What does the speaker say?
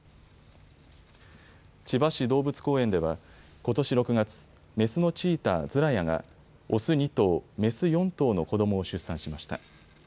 千葉市動物公園ではことし６月、メスのチーター、ズラヤがオス２頭、メス４頭の子どもを出産しました。